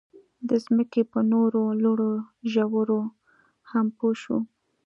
د ځمکې په نورو لوړو ژورو هم پوه شو.